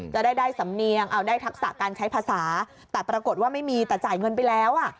จะได้ได้สำเนียงเอาได้ทักษะการใช้ภาษาแต่ปรากฏว่าไม่มีแต่จ่ายเงินไปแล้วอ่ะ